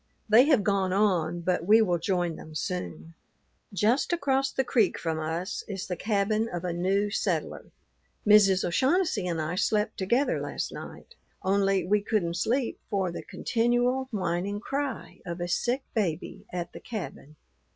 They have gone on, but we will join them soon. Just across the creek from us is the cabin of a new settler. Mrs. O'Shaughnessy and I slept together last night, only we couldn't sleep for the continual, whining cry of a sick baby at the cabin.